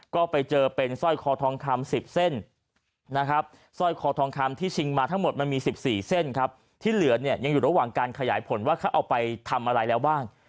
ก็ไปเจอเป็นสร้อยคอทองคำ๑๐เส้นนะครับสร้อยคอทองคำที่ชิงมาทั้งหมดมันมี๑๔เส้นครับที่เหลือเนี่ยยังอยู่ระหว่างการขยายผลว่าเขาเอาไปทำอะไรแล้วบ้าง